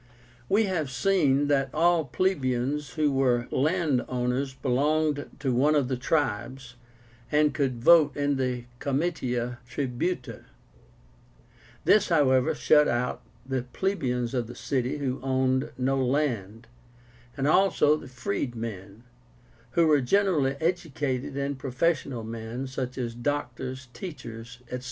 We have seen that all plebeians who were land owners belonged to one of the tribes, and could vote in the Comitia Tribúta; this, however, shut out the plebeians of the city who owned no land, and also the freedmen, who were generally educated and professional men, such as doctors, teachers, etc.